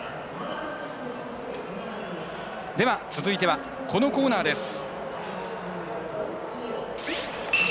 続いては、このコーナーです。